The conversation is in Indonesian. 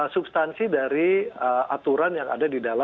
substansi dari aturan yang ada di tangerang selatan ini adalah